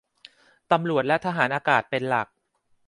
ตำรวจและทหารอากาศ เป็นหลัก